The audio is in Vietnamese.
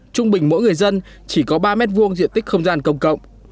trung bình mỗi người dân chỉ có ba m hai diện tích không gian công cộng